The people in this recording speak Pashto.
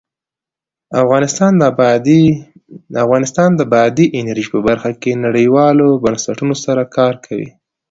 افغانستان د بادي انرژي په برخه کې نړیوالو بنسټونو سره کار کوي.